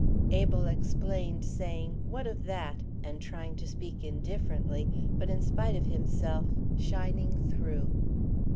Abel explained, saying, "What of that?" and trying to speak indifferently but, in spite of himself, shining through.